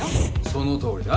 そのとおりだ。